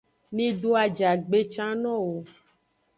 Mido ajagbe can nowo.